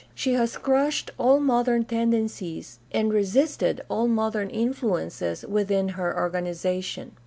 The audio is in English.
She has crushed all modern tendencies and resisted all modern influences within her organization.